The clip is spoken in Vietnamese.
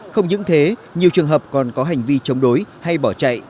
không những thế nhiều trường hợp còn có hành vi chống đối hay bỏ chạy